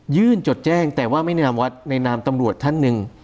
จดแจ้งแต่ว่าไม่แนะนำวัดในนามตำรวจท่านหนึ่ง